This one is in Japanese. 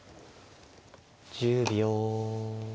１０秒。